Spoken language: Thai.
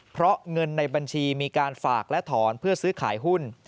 เพราะเงินในบัญชีมีการฝากและถอนเพื่อซื้อขายหุ้น